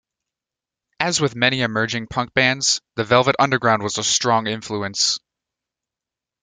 As with many emerging punk bands, the Velvet Underground was a strong influence.